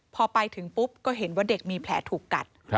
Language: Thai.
พอไปถึงปุ๊บก็เห็นว่าเด็กมีแผลถูกกัด